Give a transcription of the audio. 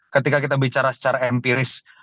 ketika kita bicara secara empiris